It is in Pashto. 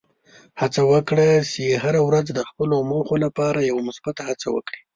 هڅه وکړه چې هره ورځ د خپلو موخو لپاره یوه مثبته هڅه وکړې.